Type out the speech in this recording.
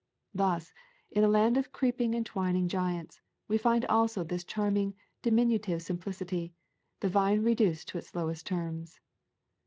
Thus, in a land of creeping and twining giants, we find also this charming, diminutive simplicity — the vine reduced to its lowest terms.